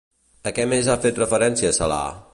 A què més a fet referència Celáa?